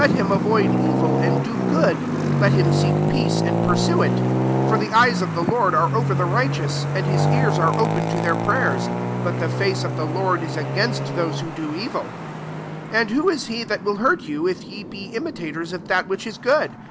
1^ him avoid evil, and do good; let him seek peace and pursue it 12 For the eyes of the Lord are over the righteous, and his ears are often to their prayers : but the face of the Lord t> against those who do evil." 13 And who t« he that will hurt you, if ye be imitators of that which is good